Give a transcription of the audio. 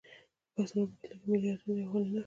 د پښتنو په کلتور کې ملي اتن د یووالي نښه ده.